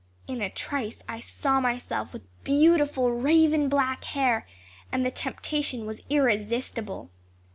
In a trice I saw myself with beautiful raven black hair and the temptation was irresistible.